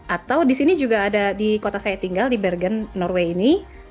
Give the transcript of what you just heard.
atau di sini juga ada di kota saya tinggal di bergen norway ini